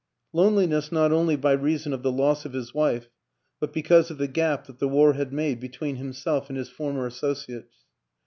Loneliness not only by reason of the loss of his wife, but because of the gap that the war had made between himself and his former associates.